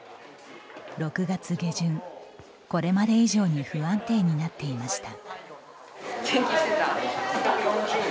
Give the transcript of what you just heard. ６月下旬、これまで以上に不安定になっていました。